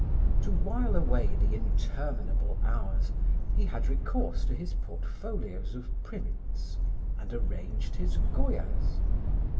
To while away the interminable hours, he had recourse to his portfolios of prints, and arranged his Goyas.